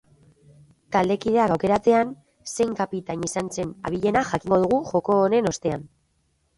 Taldekideak aukeratzean zein kapitain izan zen abilena jakingo dugu joko honen ostean.